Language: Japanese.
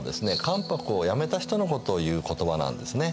関白をやめた人のことをいう言葉なんですね。